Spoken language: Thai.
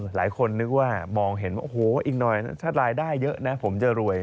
หลายคนนึกว่ามองเห็นว่าโอ้โหอีกหน่อยถ้ารายได้เยอะนะผมจะรวย